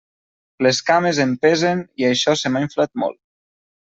Les cames em pesen i això se m'ha inflat molt.